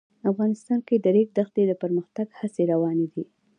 افغانستان کې د د ریګ دښتې د پرمختګ هڅې روانې دي.